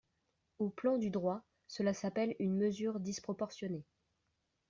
Au plan du droit, cela s’appelle une mesure disproportionnée.